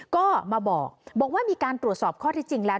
ก็มาบอกบอกว่ามีการตรวจสอบข้อที่จริงแล้ว